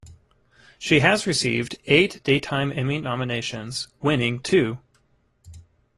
She has received eight Daytime Emmy nominations, winning two.